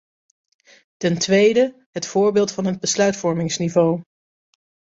Ten tweede: het voorbeeld van het besluitvormingsniveau.